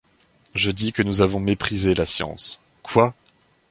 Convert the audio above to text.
Je dis que nous avons méprise la science. « Quoi!